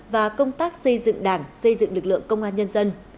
và công tác xây dựng đảng xây dựng lực lượng công an nhân dân